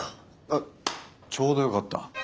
あっちょうどよかった。